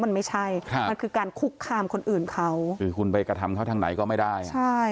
มันไม่ใช่ครับมันคือการคุกคามคนอื่นเขาคือคุณไปกระทำเขาทางไหนก็ไม่ได้อ่ะใช่